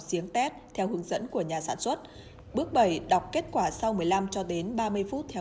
giếng tết theo hướng dẫn của nhà sản xuất bước bảy đọc kết quả sau một mươi năm cho đến ba mươi phút theo